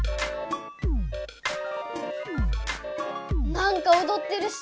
なんかおどってるし！